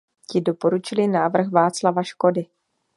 Ti doporučili návrh Václava Škody.